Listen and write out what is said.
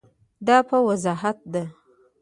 دا په وضاحت ده.